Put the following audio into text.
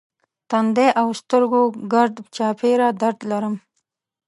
تندی او سترګو ګرد چاپېره درد لرم.